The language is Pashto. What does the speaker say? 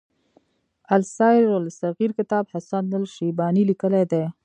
السير الصغير کتاب حسن الشيباني ليکی دی.